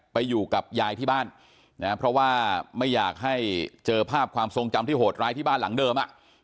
ไปอยู่กับยายที่บ้านนะเพราะว่าไม่อยากให้เจอภาพความทรงจำที่โหดร้ายที่บ้านหลังเดิม